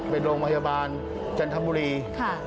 เป็นโรงพยาบาลจันทมบุรีค่ะค่ะ